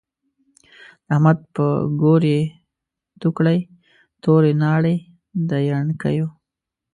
د احمد په ګور يې تو کړی، توری ناړی د يڼکيو